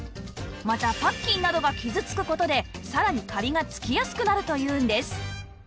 またパッキンなどが傷つく事でさらにカビが付きやすくなるというんです